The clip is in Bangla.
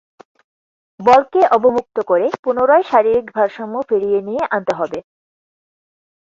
বলকে অবমুক্ত করে পুনরায় শারীরিক ভারসাম্য ফিরিয়ে নিয়ে আনতে হবে।